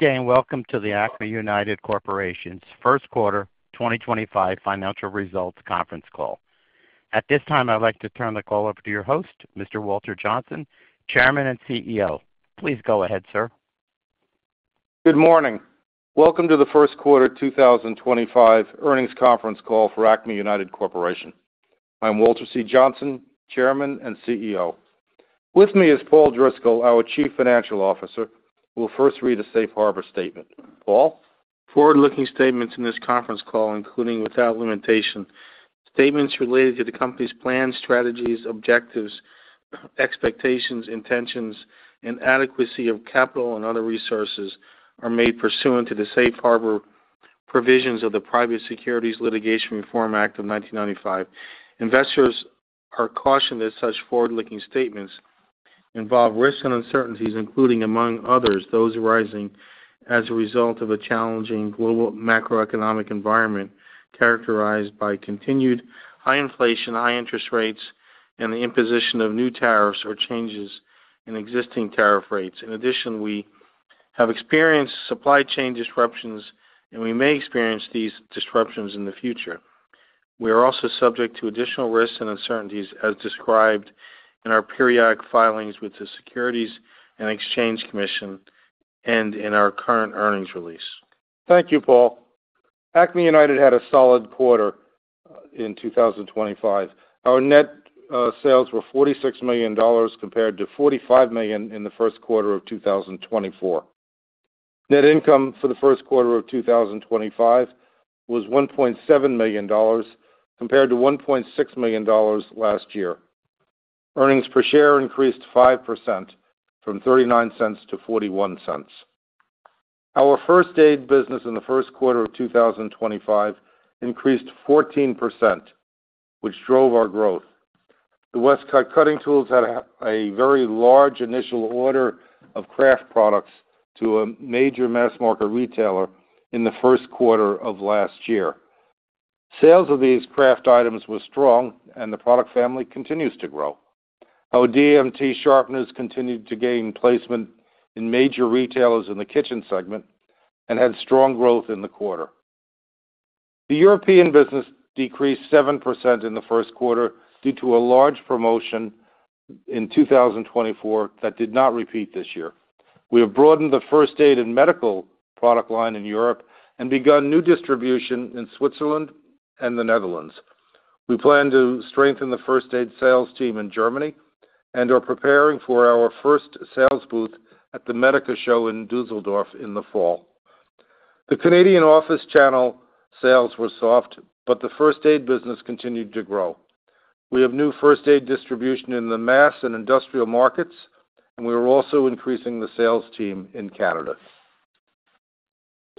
Good day, and welcome to the Acme United Corporation's first quarter 2025 financial results conference call. At this time, I'd like to turn the call over to your host, Mr. Walter Johnsen, Chairman and CEO. Please go ahead, sir. Good morning. Welcome to the first quarter 2025 earnings conference call for Acme United Corporation. I'm Walter C. Johnsen, Chairman and CEO. With me is Paul Driscoll, our Chief Financial Officer. We'll first read a safe harbor statement. Paul? Forward-looking statements in this conference call, including without limitation, statements related to the company's plans, strategies, objectives, expectations, intentions, and adequacy of capital and other resources, are made pursuant to the Safe Harbor Provisions of the Private Securities Litigation Reform Act of 1995. Investors are cautioned that such forward-looking statements involve risks and uncertainties, including, among others, those arising as a result of a challenging global macroeconomic environment characterized by continued high inflation, high interest rates, and the imposition of new tariffs or changes in existing tariff rates. In addition, we have experienced supply chain disruptions, and we may experience these disruptions in the future. We are also subject to additional risks and uncertainties, as described in our periodic filings with the Securities and Exchange Commission and in our current earnings release. Thank you, Paul. Acme United had a solid quarter in 2025. Our net sales were $46 million compared to $45 million in the first quarter of 2024. Net income for the first quarter of 2025 was $1.7 million compared to $1.6 million last year. Earnings per share increased 5%, from $0.39 to $0.41. Our first-aid business in the first quarter of 2025 increased 14%, which drove our growth. The Westcott cutting tools had a very large initial order of craft products to a major mass-market retailer in the first quarter of last year. Sales of these craft items were strong, and the product family continues to grow. Our DMT sharpeners continued to gain placement in major retailers in the kitchen segment and had strong growth in the quarter. The European business decreased 7% in the first quarter due to a large promotion in 2024 that did not repeat this year. We have broadened the first-aid and medical product line in Europe and begun new distribution in Switzerland and the Netherlands. We plan to strengthen the first-aid sales team in Germany and are preparing for our first sales booth at the MEDICA Show in Düsseldorf in the fall. The Canadian office channel sales were soft, but the first-aid business continued to grow. We have new first-aid distribution in the mass and industrial markets, and we are also increasing the sales team in Canada.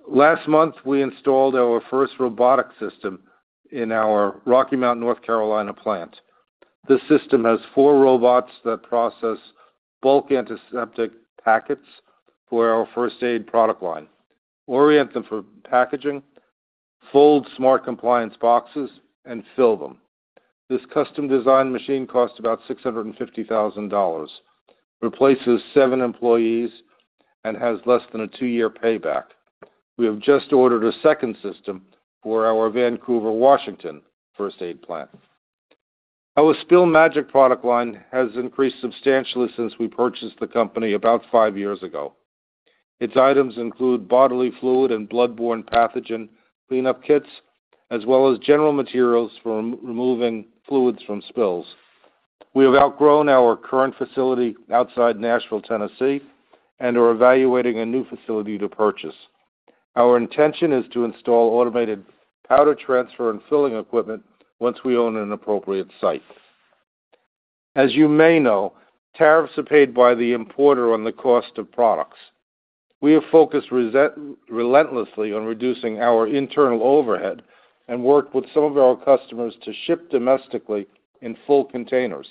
Last month, we installed our first robotic systems in our Rocky Mount, North Carolina, plant. This system has four robots that process bulk antiseptic packets for our first-aid product line, orient them for packaging, fold SmartCompliance boxes, and fill them. This custom-designed machine costs about $650,000, replaces seven employees, and has less than a two-year payback. We have just ordered a second system for our Vancouver, Washington, first-aid plant. Our Spill Magic product line has increased substantially since we purchased the company about five years ago. Its items include bodily fluid and bloodborne pathogen cleanup kits, as well as general materials for removing fluids from spills. We have outgrown our current facility outside Nashville, Tennessee, and are evaluating a new facility to purchase. Our intention is to install automated powder transfer and filling equipment once we own an appropriate site. As you may know, tariffs are paid by the importer on the cost of products. We have focused relentlessly on reducing our internal overhead and worked with some of our customers to ship domestically in full containers.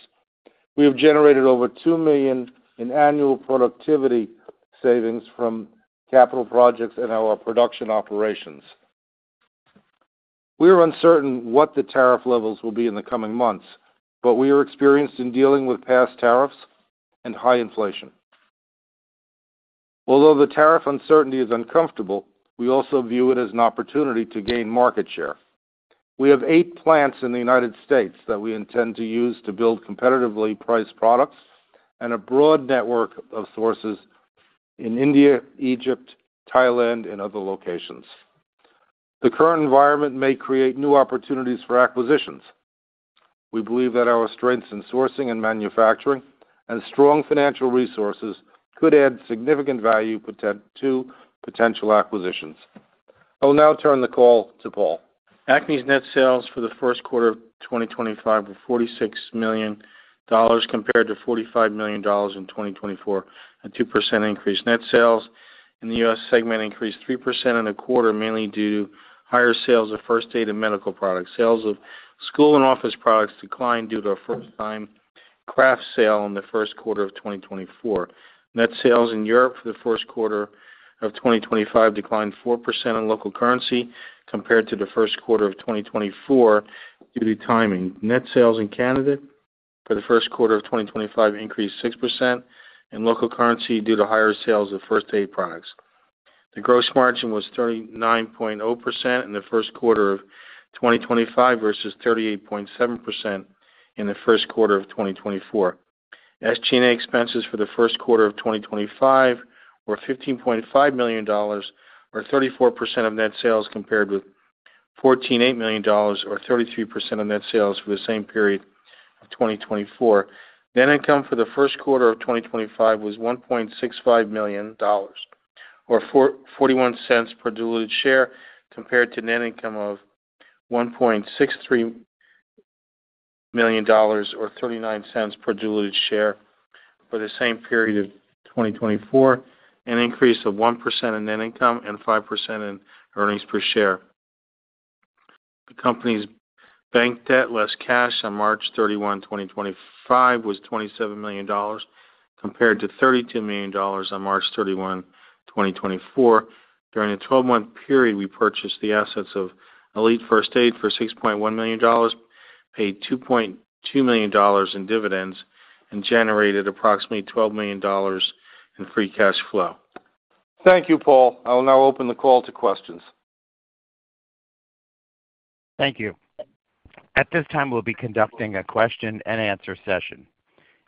We have generated over $2 million in annual productivity savings from capital projects and our production operations. We are uncertain what the tariff levels will be in the coming months, but we are experienced in dealing with past tariffs and high inflation. Although the tariff uncertainty is uncomfortable, we also view it as an opportunity to gain market share. We have eight plants in the United States that we intend to use to build competitively priced products and a broad network of sources in India, Egypt, Thailand, and other locations. The current environment may create new opportunities for acquisitions. We believe that our strengths in sourcing and manufacturing and strong financial resources could add significant value to potential acquisitions. I will now turn the call to Paul. Acme's net sales for the first quarter of 2025 were $46 million compared to $45 million in 2024, a 2% increase. Net sales in the U.S. segment increased 3% in the quarter, mainly due to higher sales of first-aid and medical products. Sales of school and office products declined due to a first-time craft sale in the first quarter of 2024. Net sales in Europe for the first quarter of 2025 declined 4% in local currency compared to the first quarter of 2024 due to timing. Net sales in Canada for the first quarter of 2025 increased 6% in local currency due to higher sales of first-aid products. The gross margin was 39.0% in the first quarter of 2025 versus 38.7% in the first quarter of 2024. SG&A expenses for the first quarter of 2025 were $15.5 million, or 34% of net sales compared with $14.8 million, or 33% of net sales for the same period of 2024. Net income for the first quarter of 2025 was $1.65 million, or $0.41 per diluted share, compared to net income of $1.63 million, or $0.39 per diluted share for the same period of 2024, an increase of 1% in net income and 5% in earnings per share. The company's bank debt less cash on March 31, 2025, was $27 million compared to $32 million on March 31, 2024. During the 12-month period, we purchased the assets of Elite First Aid for $6.1 million, paid $2.2 million in dividends, and generated approximately $12 million in free cash flow. Thank you, Paul. I will now open the call to questions. Thank you. At this time, we'll be conducting a question-and-answer session.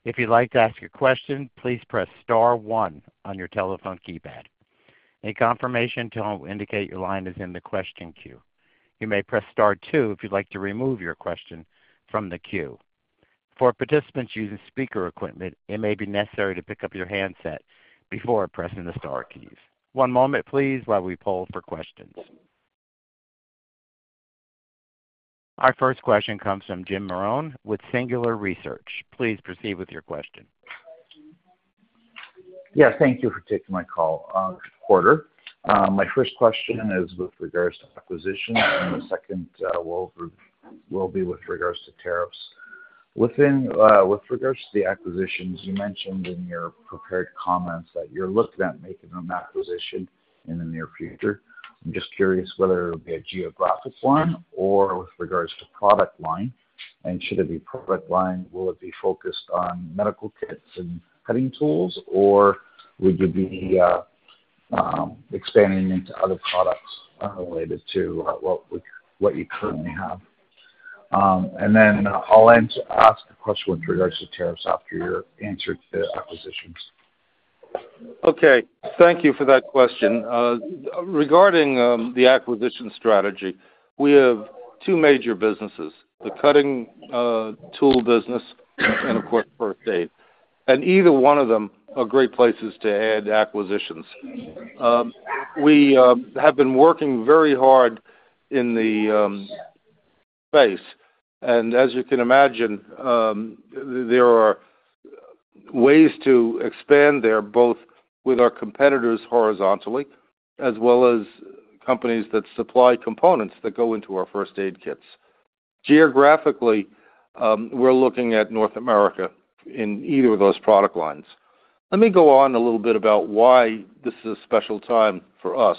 If you'd like to ask a question, please press star one on your telephone keypad. A confirmation tone will indicate your line is in the question queue. You may press star two if you'd like to remove your question from the queue. For participants using speaker equipment, it may be necessary to pick up your handset before pressing the star keys. One moment, please, while we poll for questions. Our first question comes from Jim Marrone with Singular Research. Please proceed with your question. Yes, thank you for taking my call. My first question is with regards to acquisitions, and the second will be with regards to tariffs. With regards to the acquisitions, you mentioned in your prepared comments that you're looking at making an acquisition in the near future. I'm just curious whether it would be a geographic one or with regards to product line. Should it be product line, will it be focused on medical kits and cutting tools, or would you be expanding into other products unrelated to what you currently have? I'll ask a question with regards to tariffs after your answer to acquisitions. Okay. Thank you for that question. Regarding the acquisition strategy, we have two major businesses: the cutting tool business and, of course, first-aid. Either one of them are great places to add acquisitions. We have been working very hard in the space, and as you can imagine, there are ways to expand there, both with our competitors horizontally as well as companies that supply components that go into our first-aid kits. Geographically, we're looking at North America in either of those product lines. Let me go on a little bit about why this is a special time for us.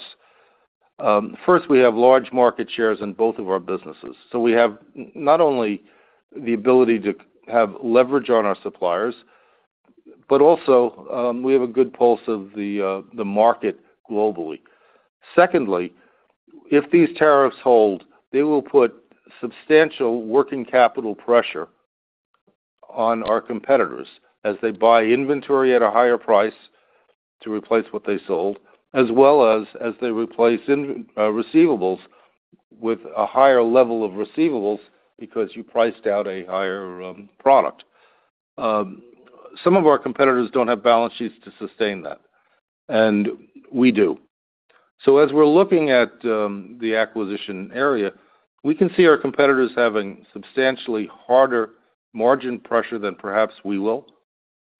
First, we have large market shares in both of our businesses. We have not only the ability to have leverage on our suppliers, but also we have a good pulse of the market globally. Secondly, if these tariffs hold, they will put substantial working capital pressure on our competitors as they buy inventory at a higher price to replace what they sold, as well as as they replace receivables with a higher level of receivables because you priced out a higher product. Some of our competitors don't have balance sheets to sustain that, and we do. As we're looking at the acquisition area, we can see our competitors having substantially harder margin pressure than perhaps we will,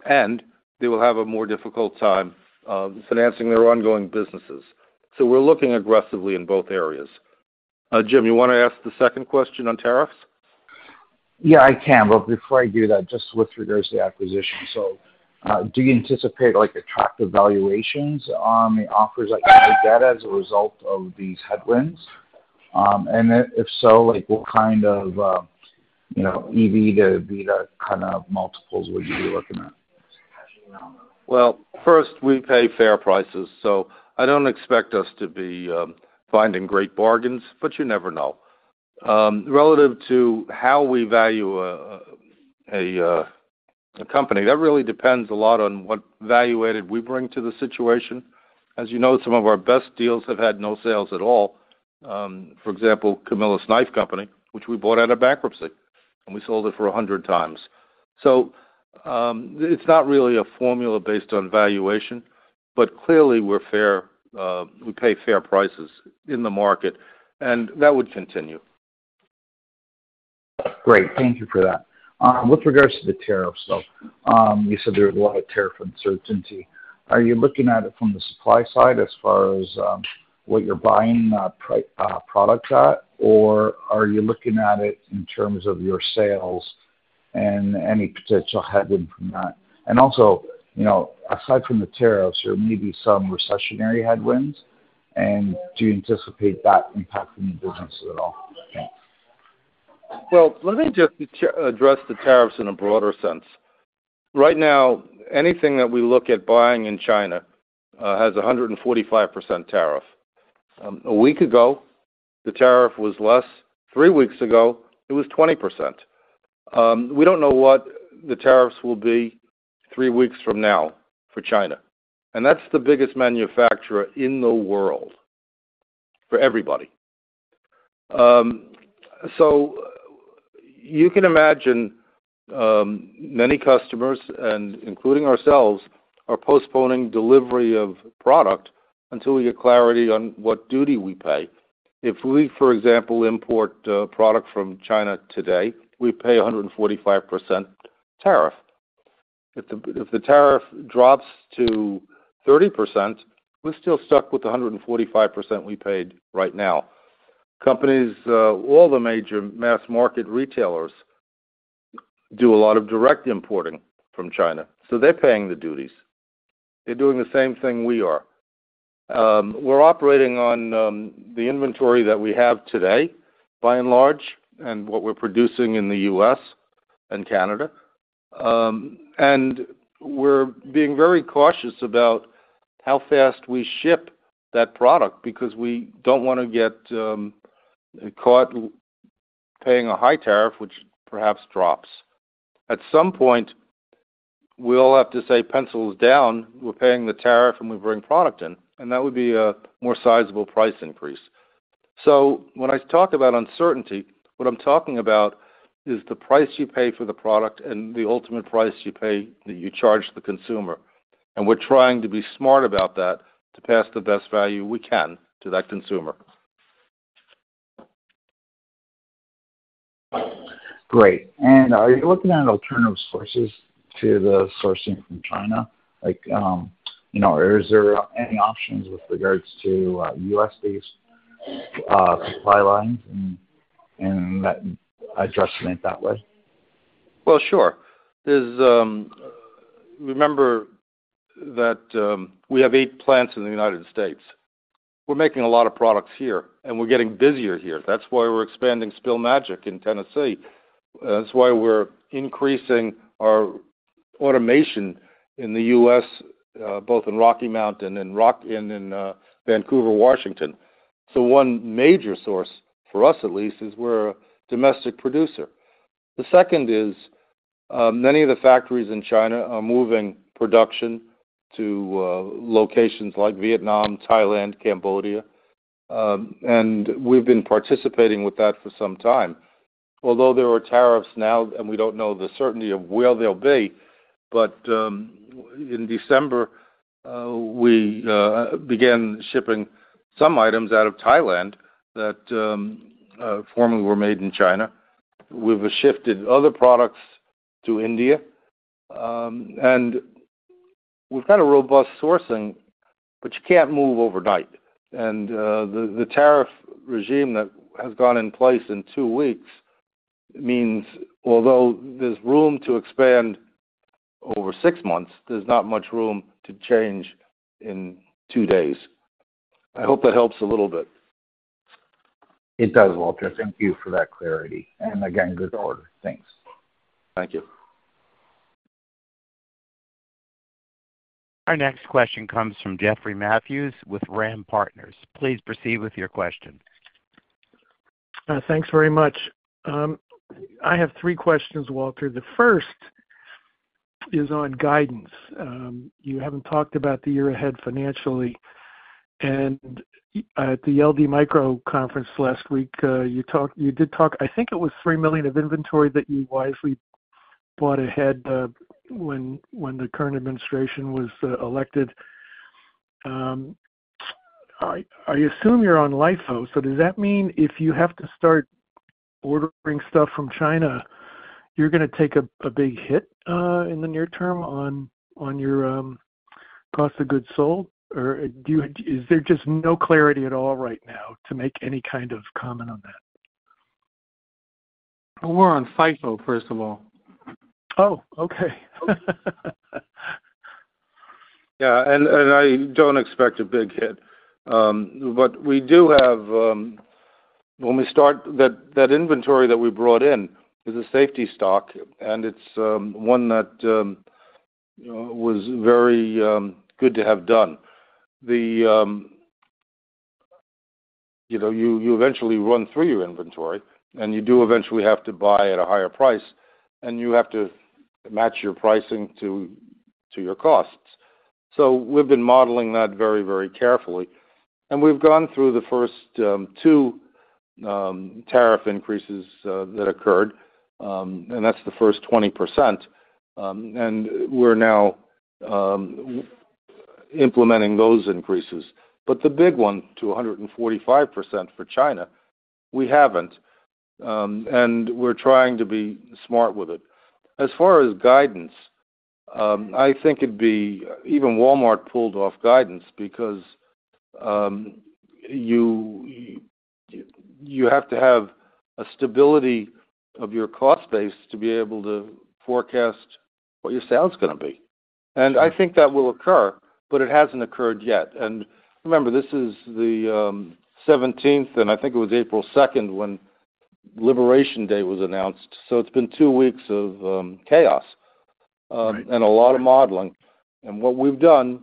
and they will have a more difficult time financing their ongoing businesses. We're looking aggressively in both areas. Jim, you want to ask the second question on tariffs? Yeah, I can. Before I do that, just with regards to the acquisition, do you anticipate attractive valuations on the offers that you've looked at as a result of these headwinds? If so, what kind of EV-to-EBITDA kind of multiples would you be looking at? First, we pay fair prices. I don't expect us to be finding great bargains, but you never know. Relative to how we value a company, that really depends a lot on what value added we bring to the situation. As you know, some of our best deals have had no sales at all. For example, Camillus Knives company, which we bought out of bankruptcy, and we sold it for 100 times. It is not really a formula based on valuation, but clearly we pay fair prices in the market, and that would continue. Great. Thank you for that. With regards to the tariffs, though, you said there was a lot of tariff uncertainty. Are you looking at it from the supply side as far as what you're buying products at, or are you looking at it in terms of your sales and any potential headwind from that? Also, aside from the tariffs, there may be some recessionary headwinds, and do you anticipate that impacting your business at all? Let me just address the tariffs in a broader sense. Right now, anything that we look at buying in China has a 145% tariff. A week ago, the tariff was less. Three weeks ago, it was 20%. We do not know what the tariffs will be three weeks from now for China. That is the biggest manufacturer in the world for everybody. You can imagine many customers, including ourselves, are postponing delivery of product until we get clarity on what duty we pay. If we, for example, import product from China today, we pay a 145% tariff. If the tariff drops to 30%, we are still stuck with the 145% we paid right now. Companies, all the major mass market retailers, do a lot of direct importing from China. They are paying the duties. They are doing the same thing we are. We're operating on the inventory that we have today, by and large, and what we're producing in the U.S. and Canada. We're being very cautious about how fast we ship that product because we don't want to get caught paying a high tariff, which perhaps drops. At some point, we'll have to say, "Pencils down. We're paying the tariff, and we bring product in." That would be a more sizable price increase. When I talk about uncertainty, what I'm talking about is the price you pay for the product and the ultimate price you pay that you charge the consumer. We're trying to be smart about that to pass the best value we can to that consumer. Great. Are you looking at alternative sources to the sourcing from China? Is there any options with regards to U.S.-based supply lines and addressing it that way? Sure. Remember that we have eight plants in the United States. We're making a lot of products here, and we're getting busier here. That's why we're expanding Spill Magic in Tennessee. That's why we're increasing our automation in the U.S., both in Rocky Mount and in Vancouver, Washington. One major source for us, at least, is we're a domestic producer. The second is many of the factories in China are moving production to locations like Vietnam, Thailand, Cambodia. We've been participating with that for some time. Although there are tariffs now, and we don't know the certainty of where they'll be, in December, we began shipping some items out of Thailand that formerly were made in China. We've shifted other products to India. We've got a robust sourcing, but you can't move overnight. The tariff regime that has gone in place in two weeks means, although there's room to expand over six months, there's not much room to change in two days. I hope that helps a little bit. It does, Walter. Thank you for that clarity. Good order. Thanks. Thank you. Our next question comes from Jeffrey Matthews with RAM Partners. Please proceed with your question. Thanks very much. I have three questions, Walter. The first is on guidance. You haven't talked about the year ahead financially. At the LD Micro conference last week, you did talk, I think it was $3 million of inventory that you wisely bought ahead when the current administration was elected. I assume you're on LIFO, so does that mean if you have to start ordering stuff from China, you're going to take a big hit in the near term on your cost of goods sold? Or is there just no clarity at all right now to make any kind of comment on that? We're on FIFO, first of all. Oh, okay. Yeah. I do not expect a big hit. We do have, when we start, that inventory that we brought in as a safety stock, and it is one that was very good to have done. You eventually run through your inventory, and you do eventually have to buy at a higher price, and you have to match your pricing to your costs. We have been modeling that very, very carefully. We have gone through the first two tariff increases that occurred, and that is the first 20%. We are now implementing those increases. The big one, to 145% for China, we have not. We are trying to be smart with it. As far as guidance, I think even Walmart pulled off guidance because you have to have a stability of your cost base to be able to forecast what your sales are going to be. I think that will occur, but it hasn't occurred yet. Remember, this is the 17th, and I think it was April 2nd when Liberation Day was announced. It has been two weeks of chaos and a lot of modeling. What we've done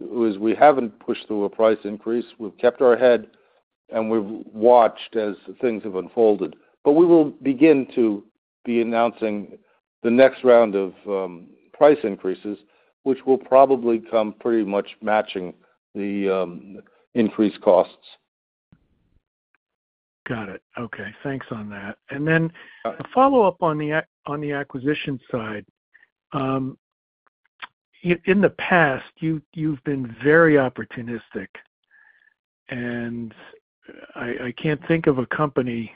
is we haven't pushed through a price increase. We've kept our head, and we've watched as things have unfolded. We will begin to be announcing the next round of price increases, which will probably come pretty much matching the increased costs. Got it. Okay. Thanks on that. A follow-up on the acquisition side. In the past, you've been very opportunistic, and I can't think of a company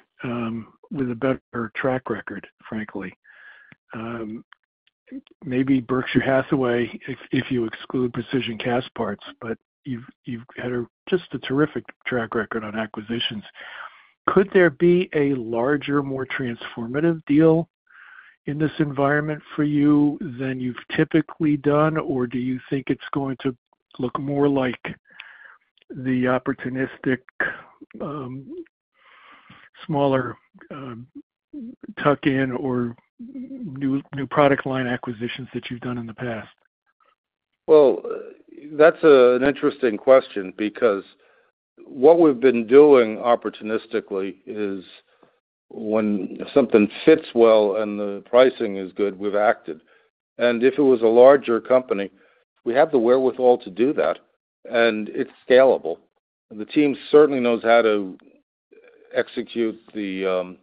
with a better track record, frankly. Maybe Berkshire Hathaway, if you exclude Precision Castparts, but you've had just a terrific track record on acquisitions. Could there be a larger, more transformative deal in this environment for you than you've typically done, or do you think it's going to look more like the opportunistic, smaller tuck-in or new product line acquisitions that you've done in the past? That's an interesting question because what we've been doing opportunistically is when something fits well and the pricing is good, we've acted. If it was a larger company, we have the wherewithal to do that, and it's scalable. The team certainly knows how to execute the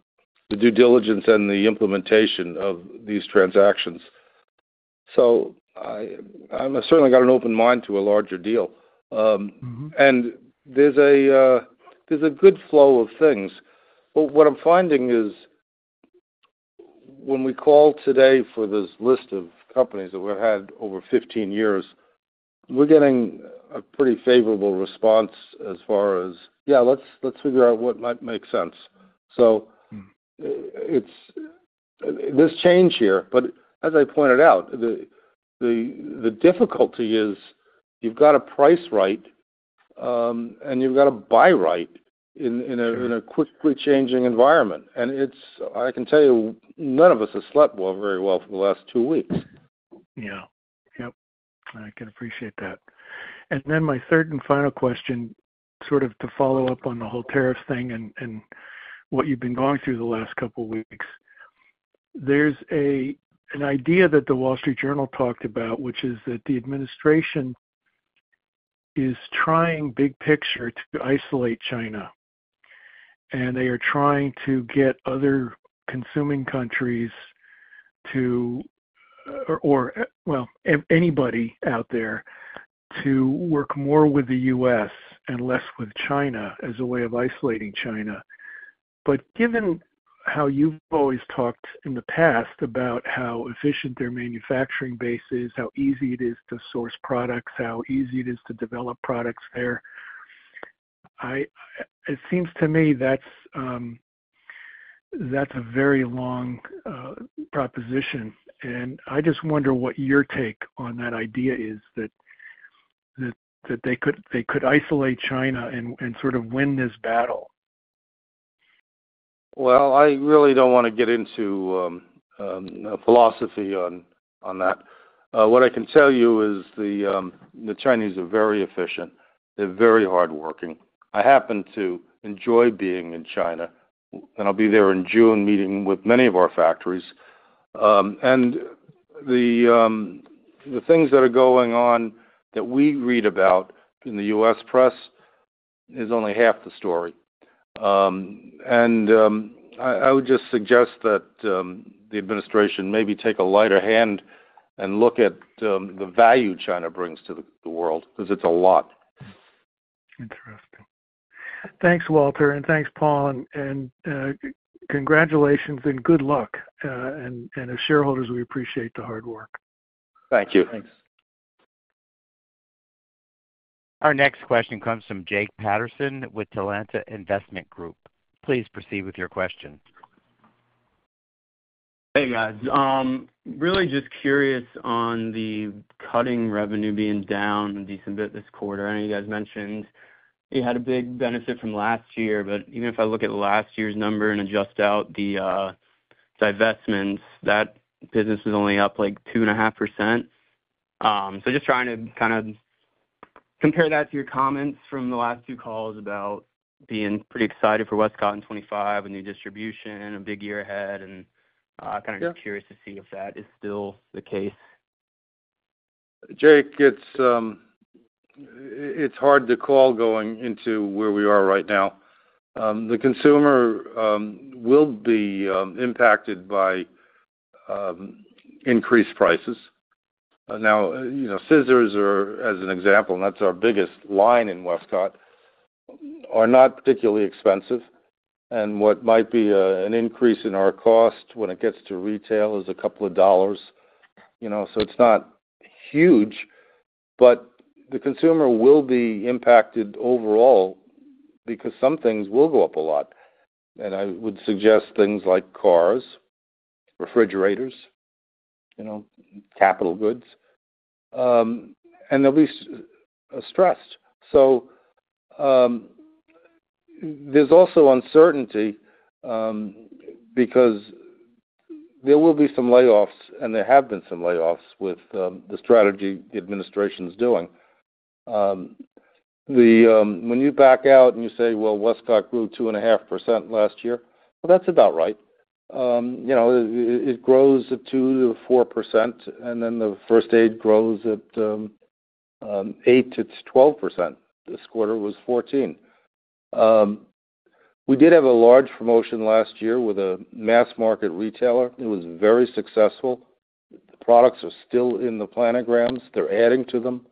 due diligence and the implementation of these transactions. I certainly have an open mind to a larger deal. There's a good flow of things. What I'm finding is when we call today for this list of companies that we've had over 15 years, we're getting a pretty favorable response as far as, "Yeah, let's figure out what might make sense." There's change here. As I pointed out, the difficulty is you've got to price right, and you've got to buy right in a quickly changing environment. I can tell you none of us has slept very well for the last two weeks. Yeah. Yep. I can appreciate that. My third and final question, sort of to follow up on the whole tariff thing and what you've been going through the last couple of weeks, there's an idea that the Wall Street Journal talked about, which is that the administration is trying big picture to isolate China. They are trying to get other consuming countries to, or, well, anybody out there to work more with the U.S. and less with China as a way of isolating China. Given how you've always talked in the past about how efficient their manufacturing base is, how easy it is to source products, how easy it is to develop products there, it seems to me that's a very long proposition. I just wonder what your take on that idea is, that they could isolate China and sort of win this battle. I really don't want to get into philosophy on that. What I can tell you is the Chinese are very efficient. They're very hardworking. I happen to enjoy being in China, and I'll be there in June meeting with many of our factories. The things that are going on that we read about in the U.S. press is only half the story. I would just suggest that the administration maybe take a lighter hand and look at the value China brings to the world because it's a lot. Interesting. Thanks, Walter. Thanks, Paul. Congratulations and good luck. As shareholders, we appreciate the hard work. Thank you. Thanks. Our next question comes from Jake Patterson with Talanta Investment Group. Please proceed with your question. Hey, guys. Really just curious on the cutting revenue being down a decent bit this quarter. I know you guys mentioned you had a big benefit from last year, but even if I look at last year's number and adjust out the divestments, that business was only up like 2.5%. Just trying to kind of compare that to your comments from the last two calls about being pretty excited for Westcott in 2025, a new distribution, a big year ahead, and kind of curious to see if that is still the case. Jake, it's hard to call going into where we are right now. The consumer will be impacted by increased prices. Now, scissors are, as an example, and that's our biggest line in Westcott, are not particularly expensive. What might be an increase in our cost when it gets to retail is a couple of dollars. It is not huge, but the consumer will be impacted overall because some things will go up a lot. I would suggest things like cars, refrigerators, capital goods, and they'll be stressed. There is also uncertainty because there will be some layoffs, and there have been some layoffs with the strategy the administration's doing. When you back out and you say, "Westcott grew 2.5% last year," that is about right. It grows at 2%-4%, and then the first-aid grows at 8%-12%. This quarter was 14%. We did have a large promotion last year with a mass market retailer. It was very successful. The products are still in the planograms. They're adding to them.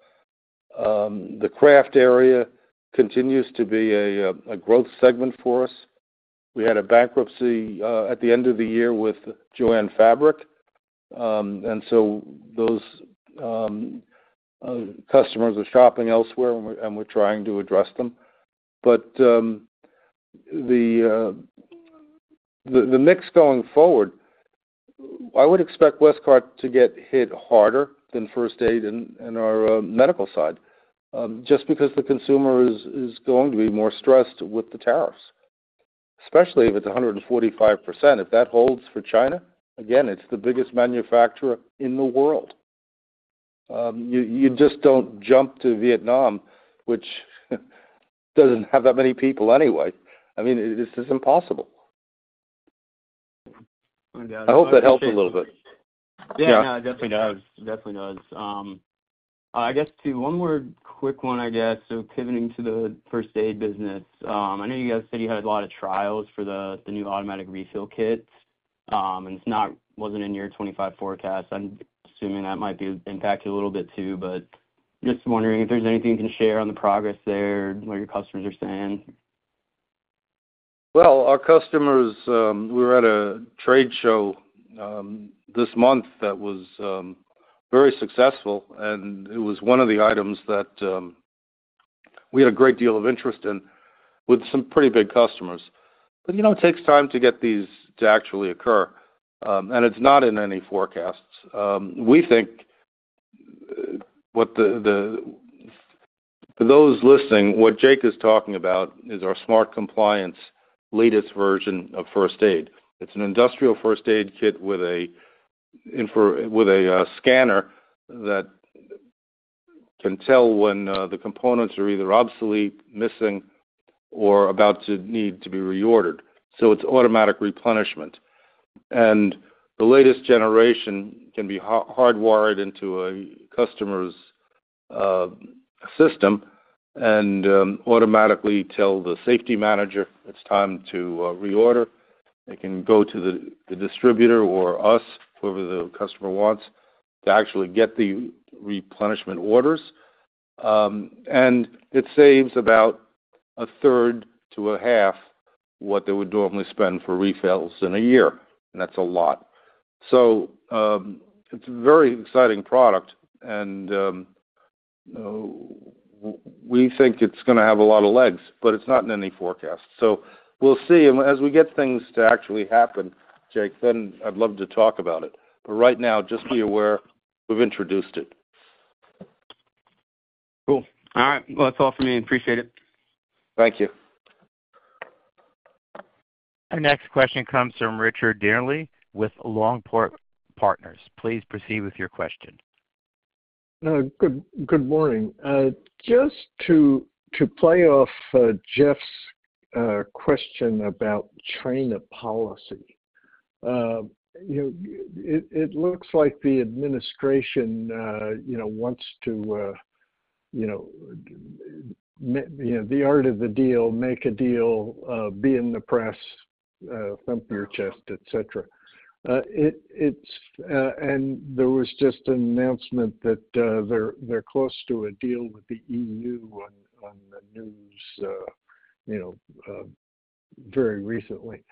The craft area continues to be a growth segment for us. We had a bankruptcy at the end of the year with Jo-Ann Fabrics. Those customers are shopping elsewhere, and we're trying to address them. The mix going forward, I would expect Westcott to get hit harder than first-aid and our medical side just because the consumer is going to be more stressed with the tariffs, especially if it's 145%. If that holds for China, again, it's the biggest manufacturer in the world. You just don't jump to Vietnam, which doesn't have that many people anyway. I mean, it's just impossible. I hope that helped a little bit. Yeah. No, it definitely does. Definitely does. I guess one more quick one, I guess. Pivoting to the first-aid business, I know you guys said you had a lot of trials for the new automatic refill kits, and it was not in your 2025 forecast. I'm assuming that might be impacted a little bit too, but just wondering if there's anything you can share on the progress there, what your customers are saying. Our customers, we were at a trade show this month that was very successful, and it was one of the items that we had a great deal of interest in with some pretty big customers. It takes time to get these to actually occur, and it's not in any forecasts. We think for those listening, what Jake is talking about is our SmartCompliance latest version of first-aid. It's an industrial first-aid kit with a scanner that can tell when the components are either obsolete, missing, or about to need to be reordered. It's automatic replenishment. The latest generation can be hardwired into a customer's system and automatically tell the safety manager it's time to reorder. It can go to the distributor or us, whoever the customer wants, to actually get the replenishment orders. It saves about a third to a half what they would normally spend for refills in a year. That is a lot. It is a very exciting product, and we think it is going to have a lot of legs, but it is not in any forecast. We will see. As we get things to actually happen, Jake, I would love to talk about it. Right now, just be aware we have introduced it. Cool. All right. That's all from me. Appreciate it. Thank you. Our next question comes from Richard Dearnley with Longport Partners. Please proceed with your question. Good morning. Just to play off Jeff's question about China policy, it looks like the administration wants to the art of the deal, make a deal, be in the press, thump your chest, etc. There was just an announcement that they're close to a deal with the EU on the news very recently.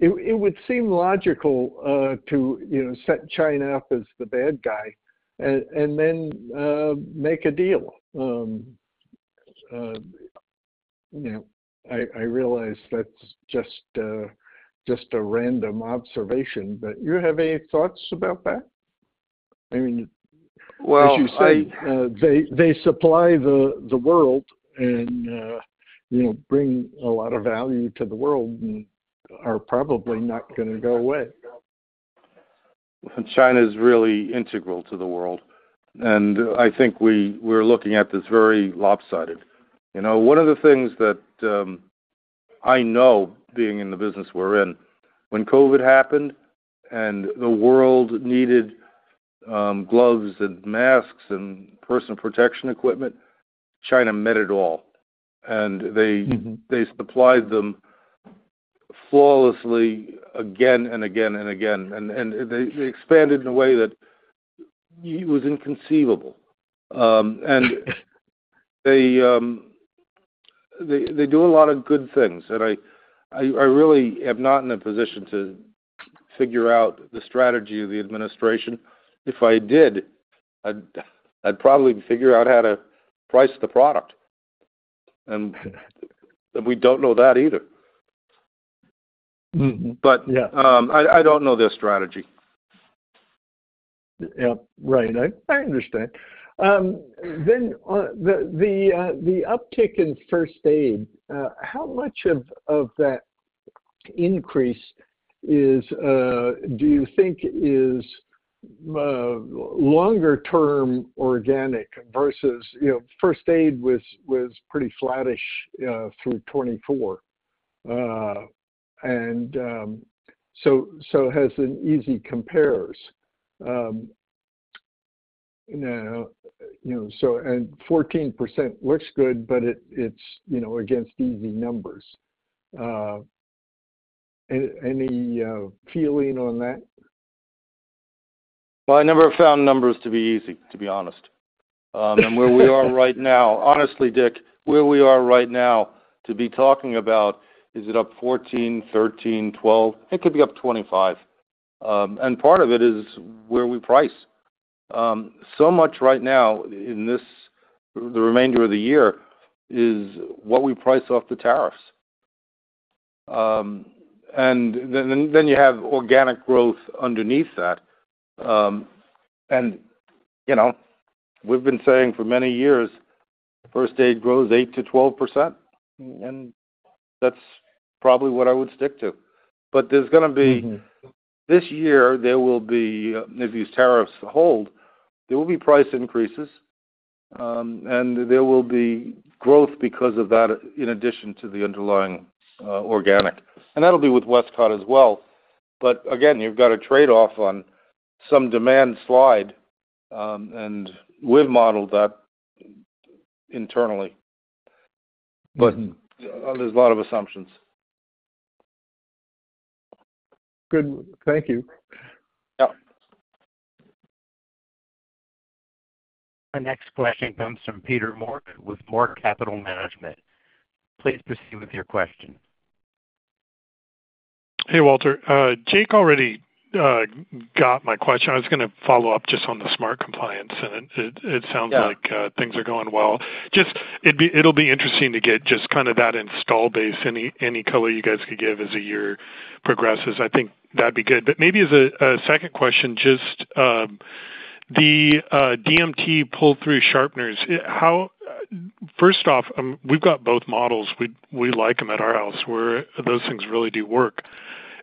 It would seem logical to set China up as the bad guy and then make a deal. I realize that's just a random observation, but do you have any thoughts about that? I mean, as you say, they supply the world and bring a lot of value to the world and are probably not going to go away. China is really integral to the world, and I think we're looking at this very lopsided. One of the things that I know being in the business we're in, when COVID happened and the world needed gloves and masks and personal protection equipment, China met it all. They supplied them flawlessly again and again and again. They expanded in a way that it was inconceivable. They do a lot of good things. I really am not in a position to figure out the strategy of the administration. If I did, I'd probably figure out how to price the product. We don't know that either. I don't know their strategy. Right. I understand. The uptick in first-aid, how much of that increase do you think is longer-term organic versus first-aid was pretty flattish through 2024? Has an easy compares. 14% looks good, but it's against easy numbers. Any feeling on that? I never found numbers to be easy, to be honest. Where we are right now, honestly, Dick, where we are right now to be talking about, is it up 14, 13, 12? It could be up 25. Part of it is where we price. So much right now in the remainder of the year is what we price off the tariffs. Then you have organic growth underneath that. We've been saying for many years, first-aid grows 8%-12%, and that's probably what I would stick to. There's going to be this year, there will be, if these tariffs hold, there will be price increases, and there will be growth because of that in addition to the underlying organic. That'll be with Westcott as well. Again, you've got a trade-off on some demand slide, and we've modeled that internally. There are a lot of assumptions. Good. Thank you. Yep. Our next question comes from Peter Mork with Mork Capital Management. Please proceed with your question. Hey, Walter. Jake already got my question. I was going to follow up just on the SmartCompliance, and it sounds like things are going well. It'll be interesting to get just kind of that install base, any color you guys could give as the year progresses. I think that'd be good. Maybe as a second question, just the DMT pull-through sharpeners, first off, we've got both models. We like them at our house where those things really do work.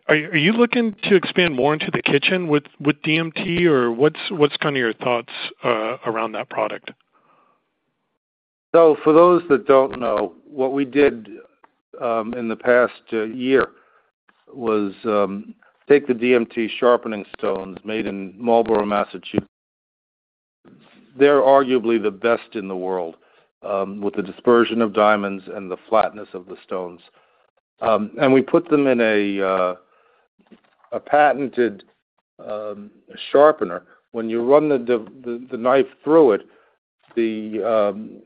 Are you looking to expand more into the kitchen with DMT, or what's kind of your thoughts around that product? For those that don't know, what we did in the past year was take the DMT sharpening stones made in Marlboro, Massachusetts. They're arguably the best in the world with the dispersion of diamonds and the flatness of the stones. We put them in a patented sharpener. When you run the knife through it, the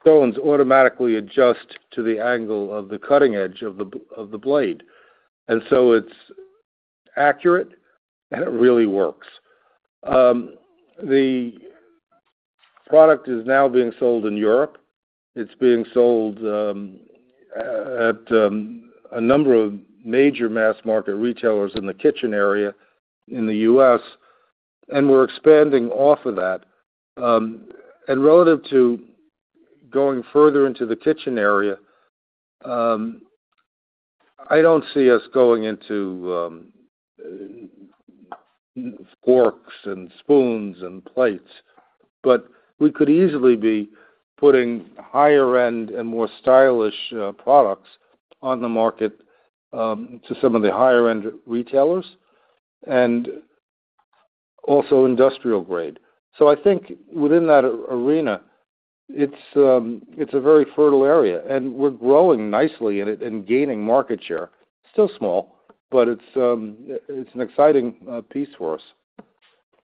stones automatically adjust to the angle of the cutting edge of the blade. It is accurate, and it really works. The product is now being sold in Europe. It is being sold at a number of major mass market retailers in the kitchen area in the U.S., and we're expanding off of that. Relative to going further into the kitchen area, I don't see us going into forks and spoons and plates, but we could easily be putting higher-end and more stylish products on the market to some of the higher-end retailers and also industrial grade. I think within that arena, it's a very fertile area, and we're growing nicely in it and gaining market share. It's still small, but it's an exciting piece for us.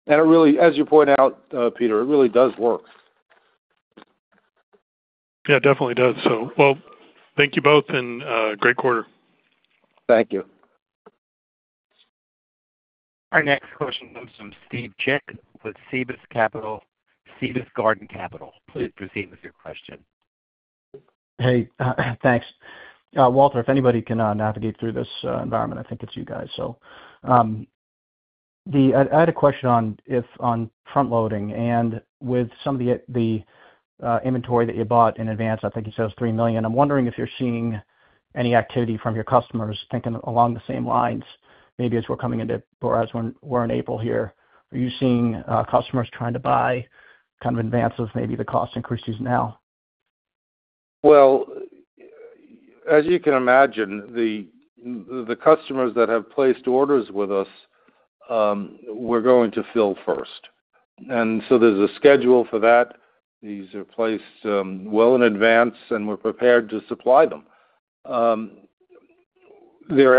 As you point out, Peter, it really does work. Yeah, definitely does. Thank you both, and great quarter. Thank you. Our next question comes from Steve Chick with Sebis Garden Capital. Please proceed with your question. Hey. Thanks. Walter, if anybody can navigate through this environment, I think it's you guys. I had a question on front-loading and with some of the inventory that you bought in advance. I think you said it was $3 million. I'm wondering if you're seeing any activity from your customers thinking along the same lines, maybe as we're coming into, whereas we're in April here. Are you seeing customers trying to buy kind of in advance of maybe the cost increases now? As you can imagine, the customers that have placed orders with us, we're going to fill first. There is a schedule for that. These are placed well in advance, and we're prepared to supply them. There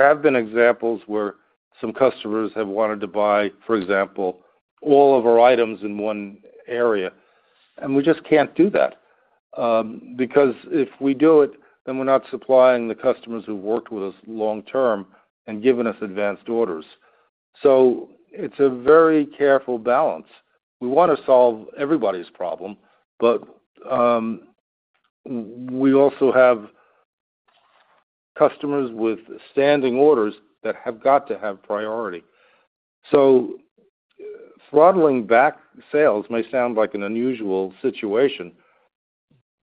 have been examples where some customers have wanted to buy, for example, all of our items in one area. We just can't do that because if we do it, then we're not supplying the customers who've worked with us long-term and given us advanced orders. It is a very careful balance. We want to solve everybody's problem, but we also have customers with standing orders that have got to have priority. Throttling back sales may sound like an unusual situation,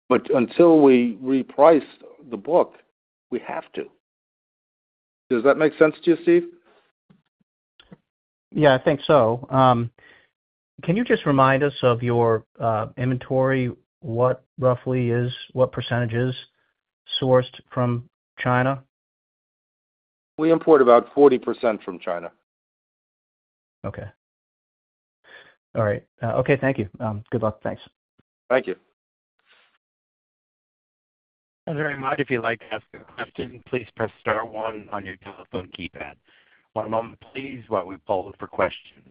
but until we reprice the book, we have to. Does that make sense to you, Steve? Yeah, I think so. Can you just remind us of your inventory? What roughly is what percentage is sourced from China? We import about 40% from China. Okay. All right. Okay. Thank you. Good luck. Thanks. Thank you. If you'd like to ask a question, please press star one on your telephone keypad. One moment please while we poll for questions.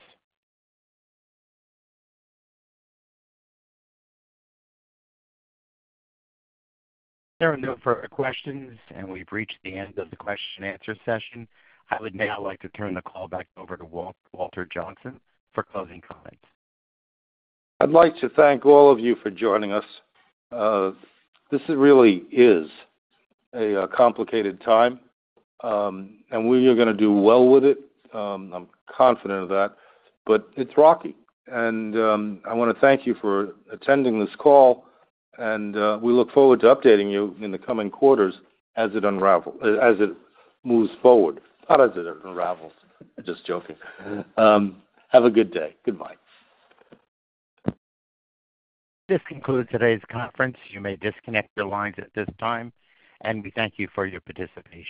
There are no further questions, and we've reached the end of the question-and-answer session. I would now like to turn the call back over to Walter Johnsen for closing comments. I'd like to thank all of you for joining us. This really is a complicated time, and we are going to do well with it. I'm confident of that, but it's rocky. I want to thank you for attending this call, and we look forward to updating you in the coming quarters as it moves forward. Not as it unravels. Just joking. Have a good day. Goodbye. This concludes today's conference. You may disconnect your lines at this time, and we thank you for your participation.